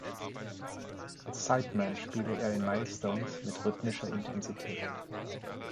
Als Sideman spiele er in "Milestones" mit rhythmischer Intensität.